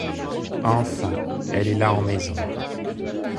Enfin, elle est là en maison.